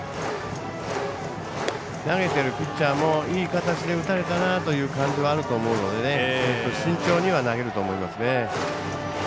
投げてるピッチャーもいい形で打たれたなという感じはあると思うので慎重には投げると思いますね。